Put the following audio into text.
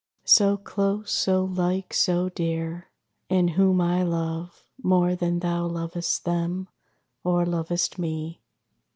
So close, so like, so dear; and whom I love More than thou lovest them, or lovest me.